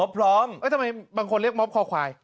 ม็อบพร้อมเห้ยทำไมบางคนเรียกม็อบคอควาย